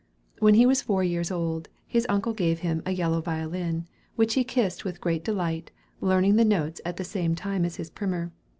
When he was four years old, his uncle gave him a yellow violin, which he kissed with great delight, learning the notes at the same time as his primer.